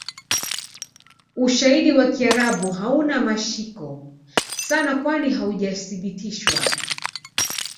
Ushaidi wa kiarabu hauna mashiko sana kwani Haujasibitishwa